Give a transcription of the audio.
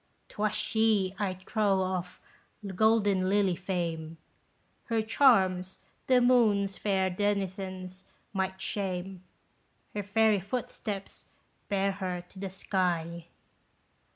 'Twas she, I trow of 'golden lily' fame; Her charms the moon's fair denizens might shame, Her fairy footsteps bear her to the sky."